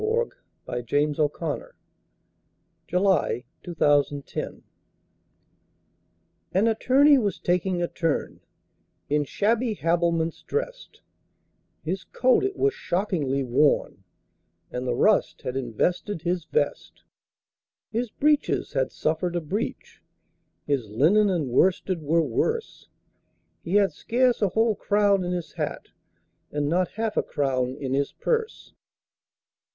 THE BRIEFLESS BARRISTER A BALLAD N Attorney was taking a turn, In shabby habiliments drest; His coat it was shockingly worn, And the rust had invested his vest. His breeches had suffered a breach, His linen and worsted were worse; He had scarce a whole crown in his hat, And not half a crown in his purse.